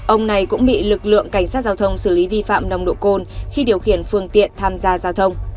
ông này cũng bị lực lượng cảnh sát giao thông xử lý vi phạm nồng độ cồn khi điều khiển phương tiện tham gia giao thông